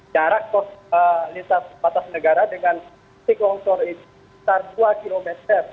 jarak lintas batas negara dengan titik longsor itu sekitar dua km